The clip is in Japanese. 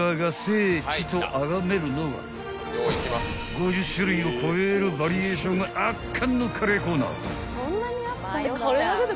［５０種類を超えるバリエーションが圧巻のカレーコーナー］